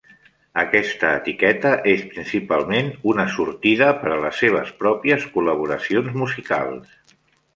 Aquesta etiqueta és principalment una sortida per a les seves pròpies col·laboracions musicals.